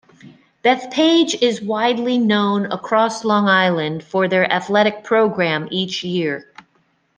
Bethpage is widely known across Long Island for their athletic program each year.